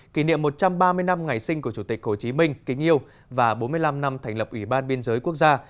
kỷ niệm một trăm ba mươi năm ngày sinh của chủ tịch hồ chí minh kính yêu và bốn mươi năm năm thành lập ủy ban biên giới quốc gia